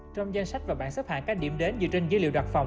trong danh sách và bản xếp hạng các điểm đến dựa trên dữ liệu đặt phòng